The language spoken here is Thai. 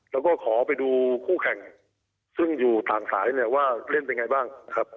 แล้วก็ขอไปดูผู้แข่งซึ่งอยู่ฐานสายว่าเล่นเป็นยังไงบ้าง